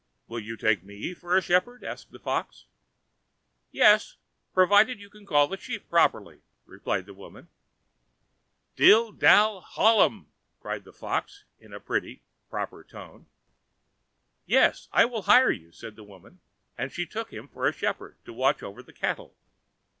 "Will you take me for a shepherd?" asked the Fox. "Yes, provided you can but call the sheep properly," replied the woman. "Dil—dal—holom!" cried the Fox in a pretty, proper tone. "Yes, I will hire you," said the woman; and she took him for a shepherd to watch over the cattle.